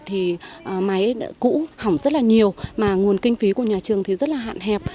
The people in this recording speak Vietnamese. thì máy cũ hỏng rất là nhiều mà nguồn kinh phí của nhà trường thì rất là hạn hẹp